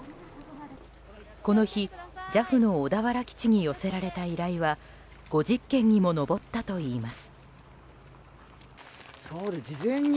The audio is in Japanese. この日、ＪＡＦの小田原基地に寄せられた依頼は５０件にも上ったといいます。